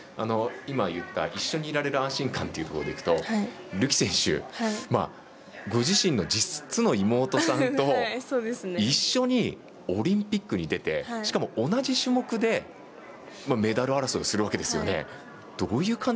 今、言った一緒にいられる安心感というところでいくとるき選手、ご自身の実の妹さんと一緒にオリンピックに出てしかも同じ種目でメダル争いをするわけですよね。